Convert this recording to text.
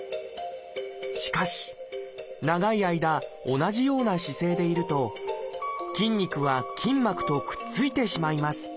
しかし長い間同じような姿勢でいると筋肉は筋膜とくっついてしまいます。